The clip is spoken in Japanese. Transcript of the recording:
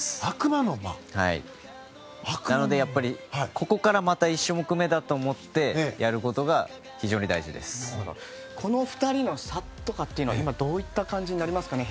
なのでやっぱりここからまた１種目目だと思ってやることがこの２人の差とかって今どういう感じになりますかね？